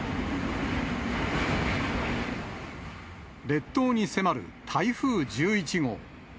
列島に迫る台風１１号。